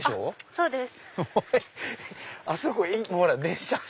そうです。